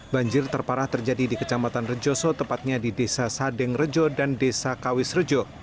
banjir terparah terjadi di kecamatan rejoso tepatnya di desa sadeng rejo dan desa kawis rejo